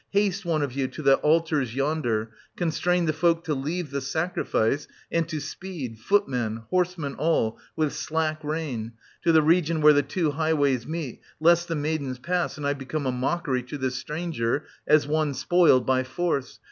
Haste, one of you, to the altars yonder, — constrain the folk to leave the sacrifice, 900 and to speed — footmen, — horsemen all, with slack rein, — to the region where the two highways meet, lest the maidens pass, and I become a mockery to this stranger, as one spoiled by force.